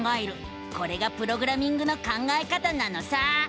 これがプログラミングの考え方なのさ！